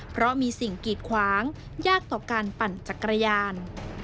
เพราะมีสิ่งกีดขวางยากต่อการปั่นจักรยาน